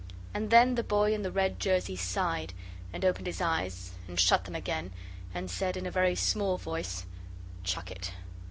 And then the boy in the red jersey sighed, and opened his eyes, and shut them again and said in a very small voice, "Chuck it."